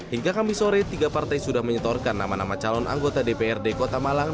hingga kamis sore tiga partai sudah menyetorkan nama nama calon anggota dprd kota malang